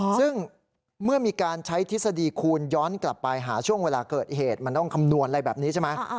ซึ่งเมื่อมีการใช้ทฤษฎีคูณย้อนกลับไปหาช่วงเวลาเกิดเหตุมันต้องคำนวณอะไรแบบนี้ใช่ไหม